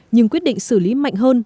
nhưng quyết định xử lý mạnh hơn